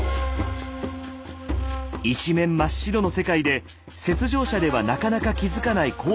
一面真っ白の世界で雪上車ではなかなか気付かない